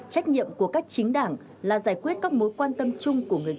trách nhiệm của các chính đảng là giải quyết các mối quan tâm chung của người dân